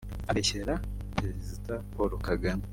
abeshyera Perezida Paul Kagame